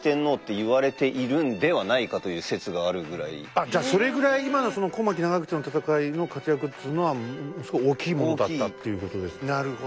あっじゃあそれぐらい今のその小牧・長久手の戦いの活躍っつのはすごい大きいものだったっていうことですねなるほど。